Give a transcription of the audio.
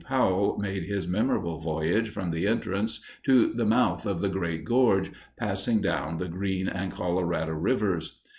Powell made his memorable voyage from the entrance to the mouth of the great gorge, passing down the Green and Colorado Rivers.